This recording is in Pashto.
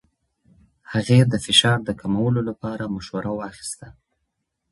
هغې د فشار د کمولو لپاره مشوره واخیسته.